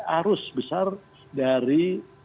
arus besar dari